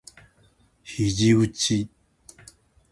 肘うち